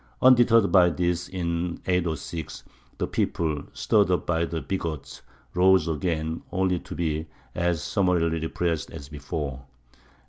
Undeterred by this, in 806 the people, stirred up by the bigots, rose again, only to be as summarily repressed as before.